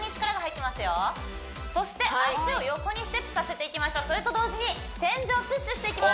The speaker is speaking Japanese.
そして脚を横にステップさせていきましょうそれと同時に天井をプッシュしていきます